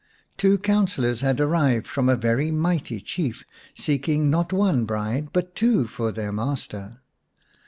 Two councillors had arrived from a very mighty Chief, seeking not one bride but two for their master.